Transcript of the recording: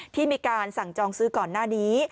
ที่มีการสั่งจองซื้อก่อนหน้านี้